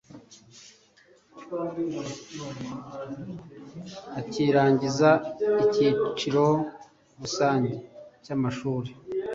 Akirangiza Icyiciro rusange cy’amashuri